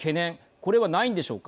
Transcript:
これはないんでしょうか。